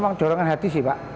memang dorongan hati sih pak